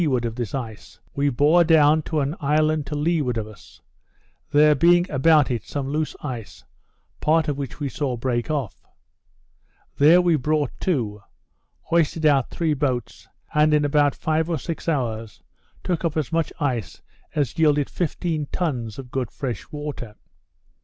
But at four o'clock in the morning, finding ourselves to leeward of this ice, we bore down to an island to leeward of us; there being about it some loose ice, part of which we saw break off. There we brought to; hoisted out three boats; and in about five or six hours, took up as much ice as yielded fifteen tons of good fresh water.